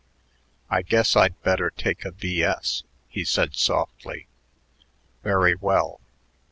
"I guess I'd better take a B.S.," he said softly. "Very well."